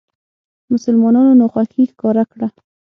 مسلمانانو ناخوښي ښکاره کړه.